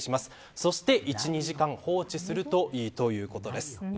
そして１、２時間放置するといいということです。